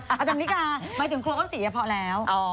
อาจารย์นิกาหมายถึงครัวต้นสีจะพอแล้ว